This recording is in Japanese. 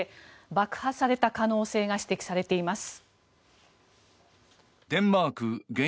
爆破された可能性が指摘されています。